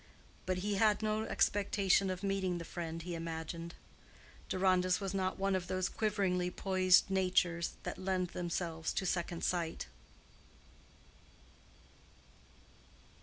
But he had no expectation of meeting the friend he imagined. Deronda's was not one of those quiveringly poised natures that lend themselves to second sight.